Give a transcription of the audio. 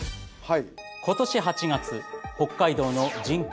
今年８月北海道の人口